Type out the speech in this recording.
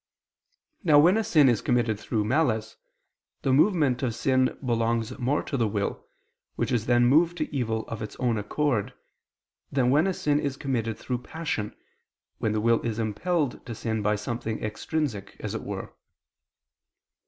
Now when a sin is committed through malice, the movement of sin belongs more to the will, which is then moved to evil of its own accord, than when a sin is committed through passion, when the will is impelled to sin by something extrinsic, as it were.